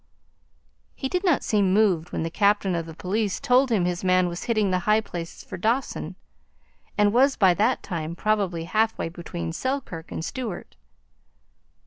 He did not seem moved when the captain of police told him his man was hitting the high places for Dawson, and was by that time, probably, half way between Selkirk and Stewart.